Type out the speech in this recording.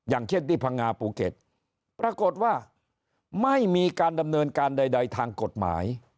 อย่างเช่นที่พังงาภูเก็ตปรากฏว่าไม่มีการดำเนินการใดทางกฎหมาย